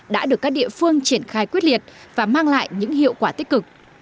đã được các địa phương triển khai quyết liệt và mang lại những hiệu quả tích cực